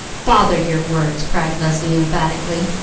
"Bother your words!" cried Leslie emphatically.